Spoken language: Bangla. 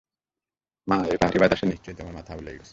মা, এই পাহাড়ি বাতাসে নিশ্চয়ই তোমার মাথা আউলে গেছে!